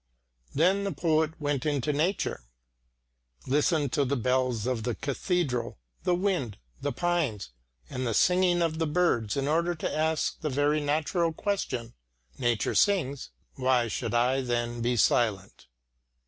Then the poet went out into nature, listened to the bells of the cathedral, the wind, the pines, and the singing of the birds in order to ask the very natural question: "Nature sings; why should I then be silent?"